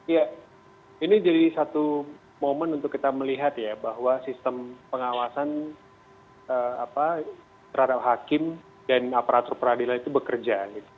ya ini jadi satu momen untuk kita melihat ya bahwa sistem pengawasan terhadap hakim dan aparatur peradilan itu bekerja